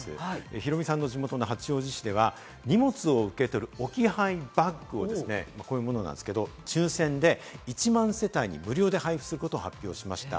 ヒロミさんの地元の八王子市では荷物を受け取る置き配バッグをですね、こういうものなんですけれども、抽選で１万世帯に無料で配布することを発表しました。